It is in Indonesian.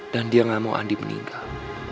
dan dia gak mau andi meninggal